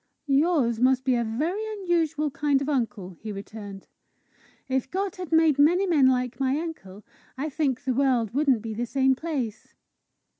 "Yours must be a very unusual kind of uncle!" he returned. "If God had made many men like my uncle, I think the world wouldn't be the same place."